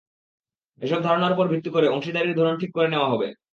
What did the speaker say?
এসব ধারণার ওপর ভিত্তি করে অংশীদারির ধরন ঠিক করে নেওয়া হবে।